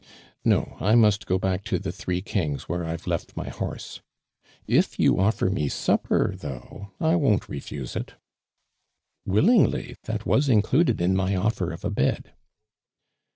" No, I must go back to the Three Kings, whore I've left my horse. If you oHer ni« supper, though, I won't ref\ige it." " Willingly ! That was included in my offer of a bed."